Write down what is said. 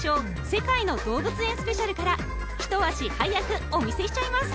世界の動物園ＳＰから一足早くお見せしちゃいます